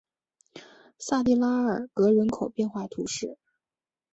萨蒂拉尔格人口变化图示